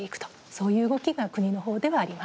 そういう動きが国の方ではあります。